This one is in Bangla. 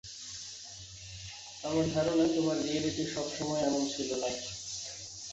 আমার ধারণা তোমার রিয়েলিটি সবসময় এমন ছিল না?